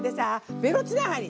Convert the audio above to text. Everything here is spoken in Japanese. ベロつながり。